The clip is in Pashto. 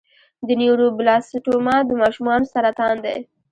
د نیوروبلاسټوما د ماشومانو سرطان دی.